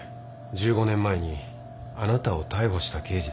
１５年前にあなたを逮捕した刑事です。